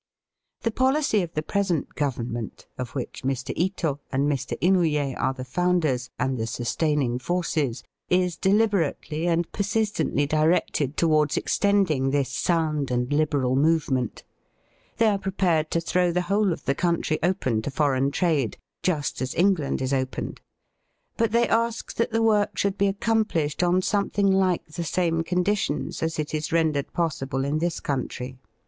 The poUcy of the present Government, of which Mr. Ito and Mr. Inouye are the founders and the sustaining forces, is deliberately and persistently directed towards extending this TOL. II. 22 Digitized by VjOOQIC 34 BAST BY WEST, sound and liberal movement. They are prepared to throw the whole of the country open to foreign trade, just as England is opened. But they ask that the work should be accompKshed on something like the same conditions as it is rendered possible in this country.